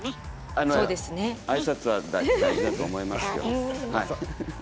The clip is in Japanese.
あいさつは大事だと思いますよ。